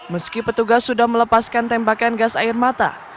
meski petugas sudah melepaskan tembakan gas air mata